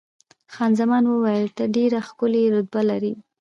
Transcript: خان زمان وویل، ته ډېره ښکلې رتبه لرې.